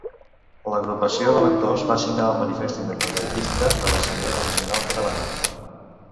L'agrupació d'electors va signar el manifest independentista de l'Assemblea Nacional Catalana.